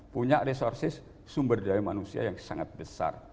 punya resources sumber daya manusia yang sangat besar